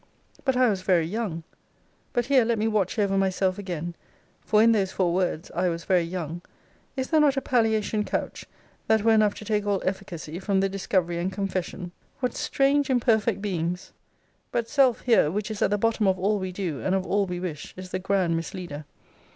But I was very young. But here let me watch over myself again: for in those four words, I was very young, is there not a palliation couched, that were enough to take all efficacy from the discovery and confession? What strange imperfect beings! but self here, which is at the bottom of all we do, and of all we wish, is the grand misleader.